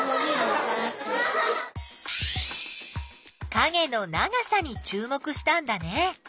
かげの長さにちゅう目したんだね。